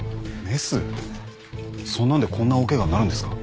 そんなんでこんな大ケガになるんですか？